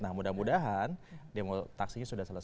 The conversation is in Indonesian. nah mudah mudahan demonstrasinya sudah selesai